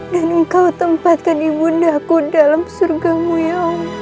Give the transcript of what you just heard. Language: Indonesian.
dan engkau tempatkan ibu ndaku dalam surgamu ya allah